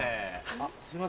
あっすいません。